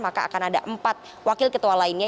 maka akan ada empat wakil ketua lainnya